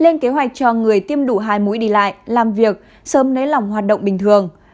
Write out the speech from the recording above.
lên kế hoạch cho người tiêm đủ hai mũi đi lại làm việc sớm nới lỏng hoạt động bình thường